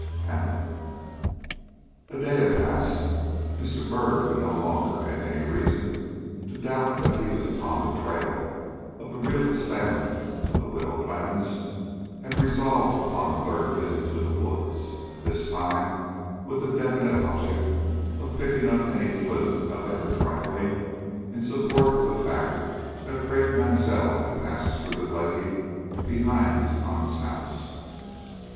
HAMLET. A DAY had passed. Mr. Byrd, who no longer had any reason to doubt that he was upon the trail of the real assailant of the Widow Clemmens, had resolved upon a third visit to the woods, this time with the definite object of picking up any clew, however trifling, in support of the fact that Craik Mansell had passed through the glade behind his aunt's house.